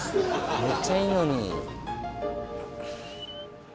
めっちゃいいのに。